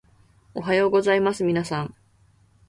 おはようございますみなさん